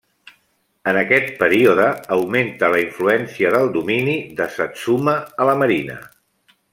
En aquest període, augmenta la influència del domini de Satsuma a la Marina.